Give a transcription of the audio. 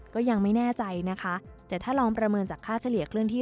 ก็ยังไม่แน่ใจนะคะแต่ถ้าลองประเมินจากค่าเฉลี่ยเคลื่อนที่